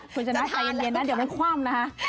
คุณจันทร์ปัญญาเนี่ยเดี๋ยวไม่คว่ามนะ